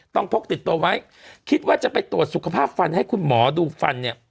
พกติดตัวไว้คิดว่าจะไปตรวจสุขภาพฟันให้คุณหมอดูฟันเนี่ย